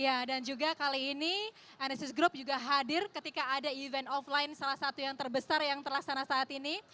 ya dan juga kali ini nsis group juga hadir ketika ada event offline salah satu yang terbesar yang terlaksana saat ini